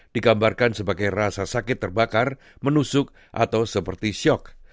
digambarkan sebagai rasa sakit terbakar menusuk atau seperti syok